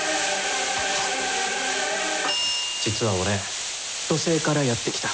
実は俺、土星からやって来た。